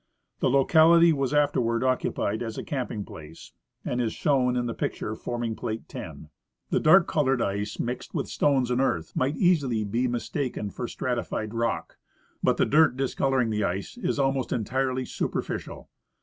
This locality was afterward occupied as a camping place, and is shown in the picture forming plate 10. The dark colored ice. Belated in. tlie Forest. 95 mixed with stones and earth, might easily be mistaken for strati fied rock ; but the dirt discoloring the ice is almost entirely super ficial.